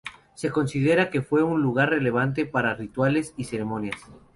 Se considera que fue un lugar relevante para rituales y ceremonias.